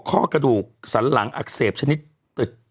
ข้อกระดูกสันหลังอักเสบชนิดตึก